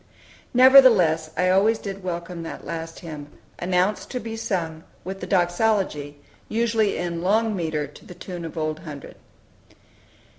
Nevertheless I always did welcome that last hymn, announced to be sung "with the Doxology," usually in "long metre," to the tune of "Old Hundred."